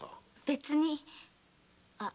別にあ